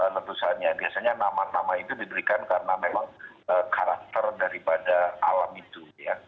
letusannya biasanya nama nama itu diberikan karena memang karakter daripada alam itu